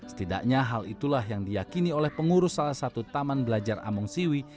setidaknya hal itulah yang diakini oleh pengurus salah satu taman belajar among siwi